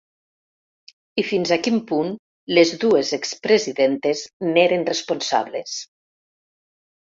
I fins a quin punt les dues ex-presidentes n’eren responsables.